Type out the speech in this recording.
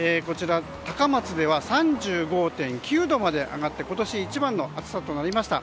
高松では３５．９度まで上がって今年一番の暑さとなりました。